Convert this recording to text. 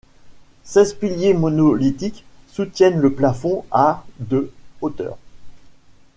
Seize piliers monolithiques soutiennent le plafond à de hauteur.